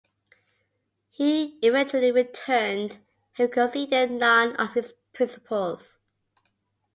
He eventually returned, having conceded none of his principles.